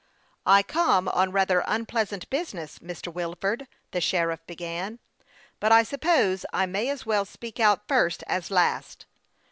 " I come on rather unpleasant business, Mr. Wil ford," the sheriff began ;" but I suppose I may as well speak out first as last."